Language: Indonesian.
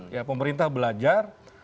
ya pemerintah belajar